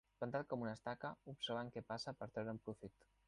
Plantat com una estaca, observant què passa per treure'n profit.